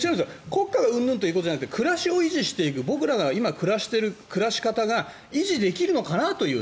国家がうんぬんということじゃなくて僕らが暮らしている暮らし方が維持できるのかなという。